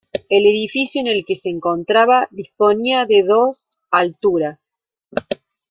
El edificio en el que se encontraba, disponía de dos altura.